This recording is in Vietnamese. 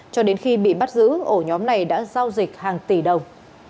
cho đến khi bị bắt giữ ổ nhóm này đã giao dịch hàng tỷ đồng